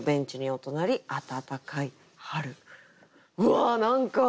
うわ！何か。